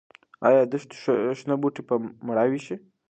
ايا د دښتې شنه بوټي به مړاوي شي؟